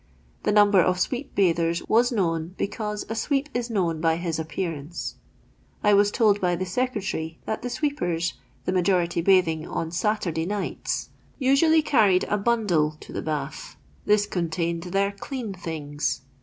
The number of sweep bathers was known because a sweep is known by his appearance. I was told by the secretary that the sweepers, the majority bathing on Saturday nighto, usually \ ZOG LOXDOX LABOUR A^D THE LONDON POOH carried a bundle to tbe bath ; this contained their ''clean thingi."